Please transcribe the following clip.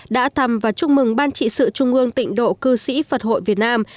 đã thăm và chúc mừng ban trị sự trung ương tịnh độ cư sĩ phật hội việt nam